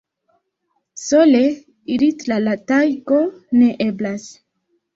Sole iri tra la tajgo ne eblas!